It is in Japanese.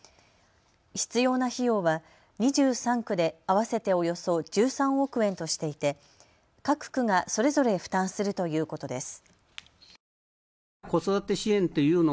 必要な費用は２３区で合わせておよそ１３億円としていて各区がそれぞれ負担するということです。